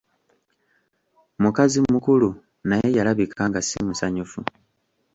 Mukazi mukulu naye yalabika nga simusanyufu.